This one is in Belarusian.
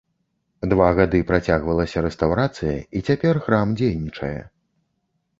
Два гады працягвалася рэстаўрацыя, і цяпер храм дзейнічае.